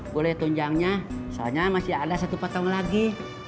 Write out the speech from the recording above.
boleh tunjangnya soalnya masih ada satu potong lagi